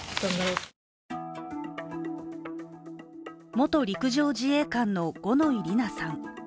元陸上自衛官の五ノ井里奈さん。